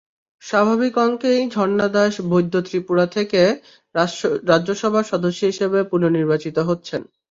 স্বাভাবিক অঙ্কেই ঝর্ণা দাস বৈদ্য ত্রিপুরা থেকে রাজ্যসভার সদস্য হিসেবে পুনর্নির্বাচিত হচ্ছেন।